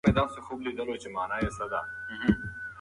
تره يې ورته وويل چې زويه دا څوک نه دی، بلکې سره زر دي.